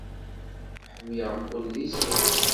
Ḥemmleɣ-ken deg sin.